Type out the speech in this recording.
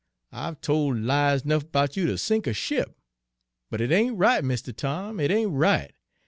I've tol' lies 'nuff 'bout you ter sink a ship. But it ain't right, Mistuh Tom, it ain't right!